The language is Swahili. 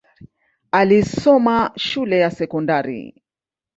Alisoma shule ya sekondari.